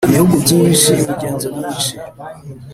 ibihugu byinshi, imigenzo myinshi.